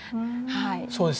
そうですよね。